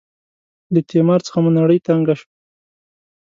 له تیمار څخه مو نړۍ تنګه شوه.